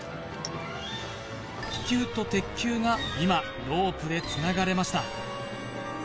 気球と鉄球が今ロープでつながれました